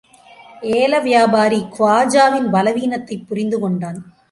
ஏல வியாபாரி, குவாஜாவின் பலவீனத்தைப் புரிந்து கொண்டான்.